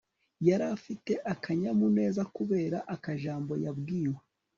yarafite akanyamuneza kubera akajambo yabwiwe